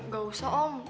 gak usah om